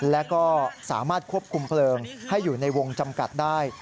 และก็สามารถควบคุมเพลิงให้อยู่ในวงจำกัดได้